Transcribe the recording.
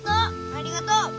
ありがとう。